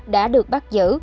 đã được bắt giữ